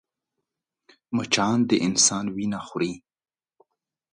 مچان د انسان وينه خوري